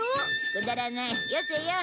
くだらないよせよ。